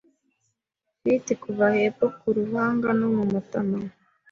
ft kuva hepfo kuruhanga no mumatama